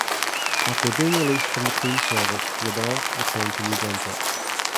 After being released from the Queen's service, LeBlanc returned to New Brunswick.